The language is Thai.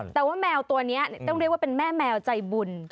แต่ว่าแมวตัวนี้ต้องเรียกว่าเป็นแม่แมวใจบุญ